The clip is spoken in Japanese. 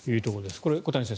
これは小谷先生